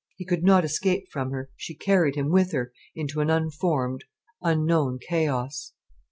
He could not escape from her, she carried him with her into an unformed, unknown chaos.